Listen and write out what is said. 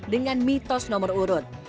dengan mitos nomor urut